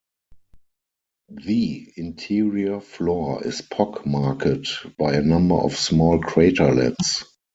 The interior floor is pock-marked by a number of small craterlets.